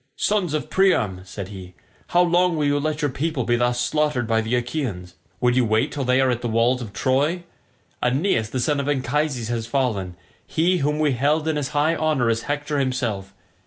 "Sons of Priam," said he, "how long will you let your people be thus slaughtered by the Achaeans? Would you wait till they are at the walls of Troy? Aeneas the son of Anchises has fallen, he whom we held in as high honour as Hector himself.